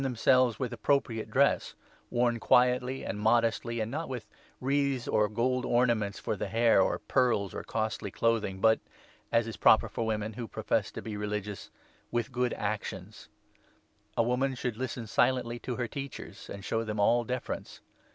409 themselves with appropriate dress, worn quietly and modestly, and not with wreaths or gold ornaments for the hair, or pearls, or costly clothing, but — as is proper for women who 10 profess to be religious — with good actions. A woman 1 1 should listen silently to her teachers, and show them all deference.